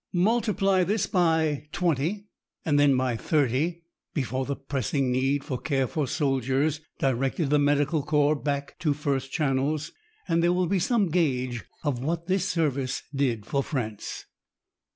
Multiply this by twenty, and then by thirty, before the pressing need for care for soldiers directed the Medical Corps back to first channels, and there will be some gauge of what this service did for France.